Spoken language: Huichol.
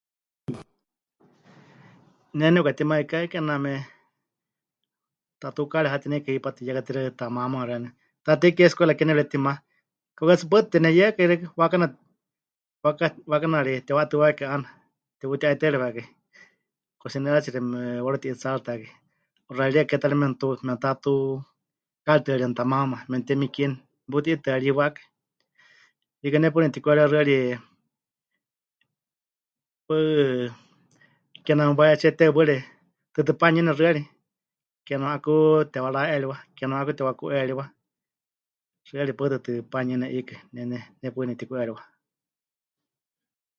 Ne nepɨkatimaikái kename tukaari hatineika hipátɨ, ya katixaɨ tamaamáma xeeníu. Taatei Kie escuela ke nepɨretima, kauka tsɨ paɨ tɨtɨ teneyɨakai xeikɨ́a... waakana... waaka... waakanari tepɨwa'atɨwákai 'aana, teputi'aitɨ́ariwakai, kuxineeratsiixi mepɨwaruti'itsaaritakai, 'uxa'arieka ke ta ri memɨtu... memɨtatu... karitɨ́arieni tamaamáma, memɨtemikieni meputi'itɨaríwakai. Hiikɨ ne paɨ nepɨtiku'eriwa xɨari 'aku kename wahetsíe teheuwaɨre tɨtɨ panuyɨne xɨari, kename 'aku tewara'eriwa, kename 'aku tewaku'eriwa, xɨari paɨ tɨtɨ panuyɨne 'iikɨ, ne, ne, ne paɨ nepɨtiku'eriwa.